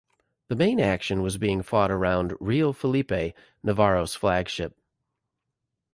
The main action was being fought around "Real Felipe", Navarro's flagship.